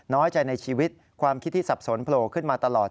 น้อยใจในชีวิตความคิดที่สับสนโผล่ขึ้นมาตลอด